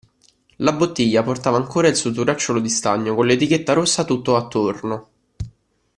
La bottiglia portava ancora il suo turacciolo di stagno, con l'etichetta rossa tutto attorno.